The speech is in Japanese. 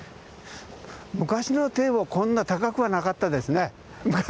昔の堤防はこんな高くはなかったですね。